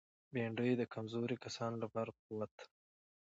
بېنډۍ د کمزوري کسانو لپاره قوت ده